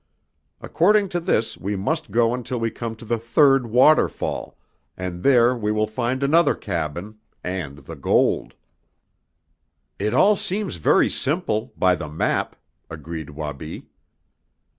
According to this we must go until we come to the third waterfall, and there we will find another cabin and the gold." "It all seems very simple by the map," agreed Wabi.